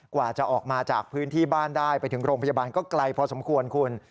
กว่าจะออกมาจากพื้นที่บ้านได้ไปถึงโรงพยาบาลก็ไกลพอสมควรคุณ